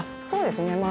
そうですね。